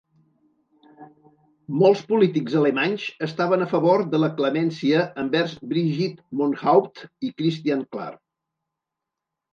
Molts polítics alemanys estaven a favor de la clemència envers Brigitte Mohnhaupt i Christian Klar.